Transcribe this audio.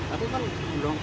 itu kan berongkar